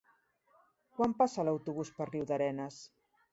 Quan passa l'autobús per Riudarenes?